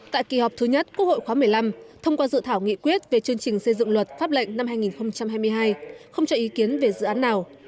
tại kỳ họp thứ nhất quốc hội khóa một mươi năm thông qua dự thảo nghị quyết về chương trình xây dựng luật pháp lệnh năm hai nghìn hai mươi hai không cho ý kiến về dự án nào